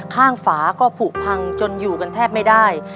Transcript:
ฝาก็ผูกพังจนอยู่กันแทบไม่ได้